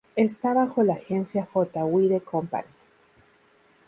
Está bajo la agencia J-Wide Company.